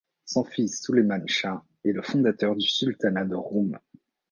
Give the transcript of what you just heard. Son fils Süleyman Shah est le fondateur du Sultanat de Roum.